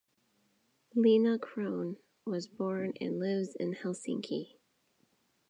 Leena Krohn was born and lives in Helsinki.